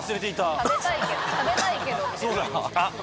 「食べたいけど」って。